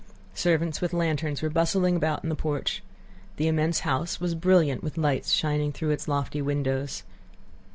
Servants with lanterns were bustling about in the porch. The immense house was brilliant with lights shining through its lofty windows.